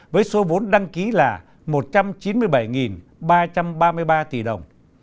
với số vốn đăng ký là một trăm chín mươi bảy ba trăm ba mươi ba tỷ đồng